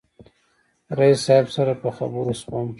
رئیس صاحب سره په خبرو شوم.